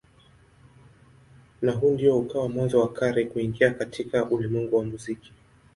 Na huu ndio ukawa mwanzo wa Carey kuingia katika ulimwengu wa muziki.